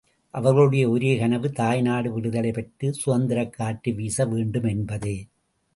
அவர்களுடைய ஒரே கனவு தாய்நாடு விடுதலை பெற்று சுதந்திரக் காற்று வீச வேண்டும் என்பதே.